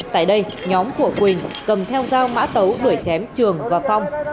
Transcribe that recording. tại đây nhóm của quỳnh cầm theo dao mã tấu đuổi chém trường và phong